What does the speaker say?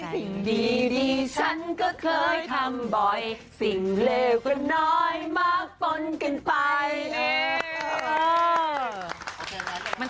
สิ่งดีฉันก็เคยทำบ่อย